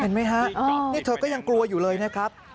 เห็นไหมฮะนี่เธอก็ยังกลัวอยู่เลยนะครับ